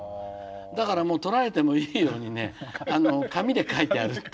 だからもうとられてもいいように紙で書いてあるって。